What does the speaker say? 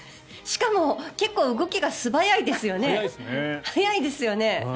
しかも結構、動きが素早いですよね、速いですよね。